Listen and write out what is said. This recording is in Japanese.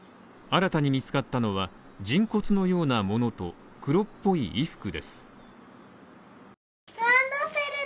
新たに見つかったのは、人骨のようなものと、黒っぽい衣服です。